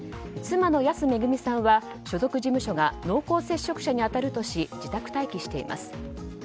妻の安めぐみさんは所属事務所が濃厚接触者に当たるとし自宅待機しています。